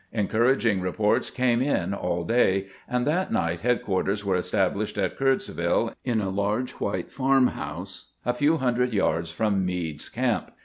Encouraging reports came in all day, and that night headquarters were established at Curdsville in a large white farm house a few hundred yards from Meade's camp.